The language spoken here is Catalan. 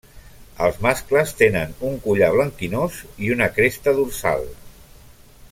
Els mascles tenen un collar blanquinós i una cresta dorsal.